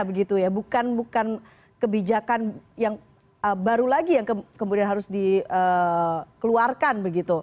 bukan kebijakan yang baru lagi yang kemudian harus dikeluarkan